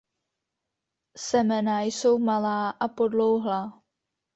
Semena jsou malá a podlouhlá.